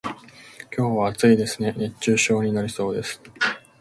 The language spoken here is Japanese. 今日は暑いですね、熱中症になりそうです。